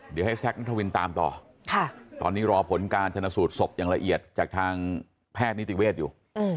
เดี๋ยวให้แซคนัทวินตามต่อตอนนี้รอผลการชนะสูตรศพอย่างละเอียดจากทางแพทย์นิติเวศอยู่